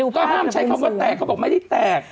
ก็ห้ามใช้คำว่าแตกเขาบอกไม่ได้แตก